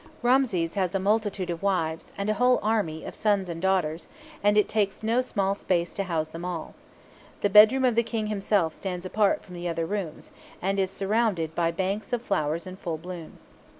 Ramses has a multitude of wives, and a whole army of sons and daughters, and it takes no small space to house them all. The bedroom of the great King himself stands apart from the other rooms, and is surrounded by banks of flowers in full bloom.